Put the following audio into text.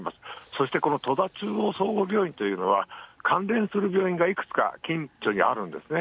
そしてこの戸田中央総合病院というのは、関連する病院がいくつか、近所にあるんですね。